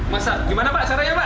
masak gimana pak sarannya pak